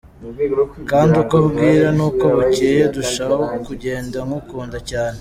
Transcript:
Kandi uko bwira n’uko bukeye ndushaho kugenda ngukunda cyane.